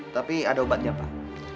tapi ada obatnya pak